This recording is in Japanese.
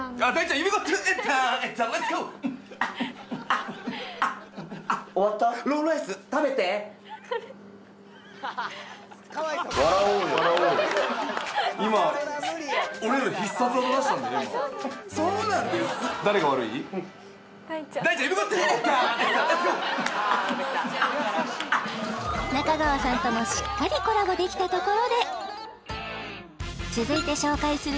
ンッアンンアッンンアッ中川さんともしっかりコラボできたところで続いて紹介する